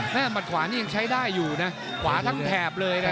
หมัดขวานี่ยังใช้ได้อยู่นะขวาทั้งแถบเลยนะ